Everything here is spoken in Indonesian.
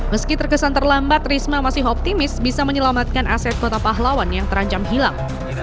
meski terkesan terlambat risma masih optimis bisa menyelamatkan aset kota pahlawan yang terancam hilang